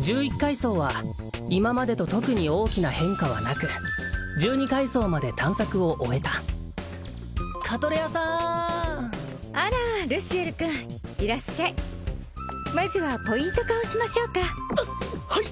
十一階層は今までと特に大きな変化はなく十二階層まで探索を終えたカトレアさんあらルシエル君いらっしゃいまずはポイント化をしましょうかはい！